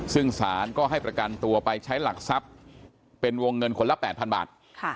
ซึ่งศาลก็ให้ประกันตัวไปใช้หลักทรัพย์เป็นวงเงินคนละ๘๐๐บาท